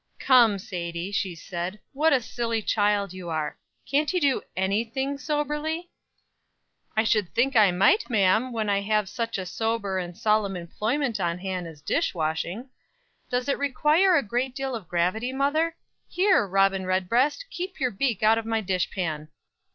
"Come, Sadie," she said; "what a silly child you are. Can't you do any thing soberly?" "I should think I might, ma'am, when I have such a sober and solemn employment on hand as dish washing. Does it require a great deal of gravity, mother? Here, Robin Redbreast, keep your beak out of my dish pan."